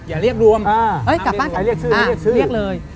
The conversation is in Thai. อย่าเรียกรวมเอ้ยกลับบ้านกันเรียกเลย